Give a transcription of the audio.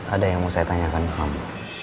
ada yang mau saya tanyakan ke kamu